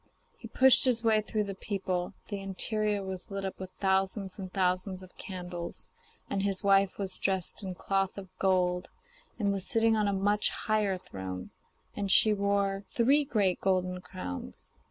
He pushed his way through the people. The interior was lit up with thousands and thousands of candles, and his wife was dressed in cloth of gold and was sitting on a much higher throne, and she wore three great golden crowns.